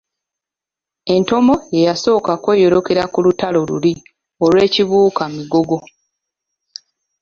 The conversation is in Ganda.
Entomo ye yasooka kweyolekera ku lutalo luli olw'Ekibuuka-migogo.